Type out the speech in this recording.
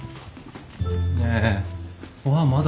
ねえごはんまだ？